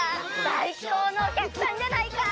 さいこうのおきゃくさんじゃないか！